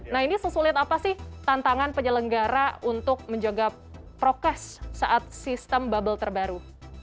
nah ini sesulit apa sih tantangan penyelenggara untuk menjaga prokes saat sistem bubble terbaru